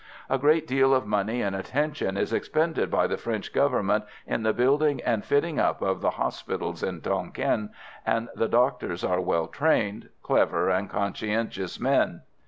A great deal of money and attention is expended by the French Government in the building and fitting up of the hospitals in Tonquin, and the doctors are well trained, clever and conscientious men.